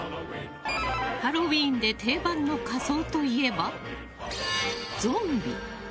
ハロウィーンで定番の仮装といえば、ゾンビ。